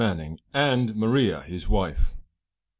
MANNING, AND MARIA, HIS WIFE.